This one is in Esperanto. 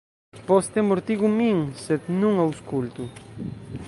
Poste mortigu min, sed nun aŭskultu.